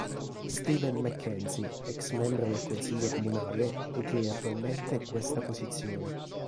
Steven Mackenzie, ex membro del consiglio comunale, detiene attualmente questa posizione.